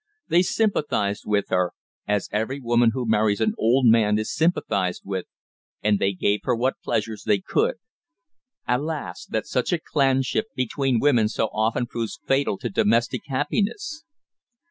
They sympathised with her as every woman who marries an old man is sympathised with and they gave her what pleasures they could. Alas! that such a clanship between women so often proves fatal to domestic happiness.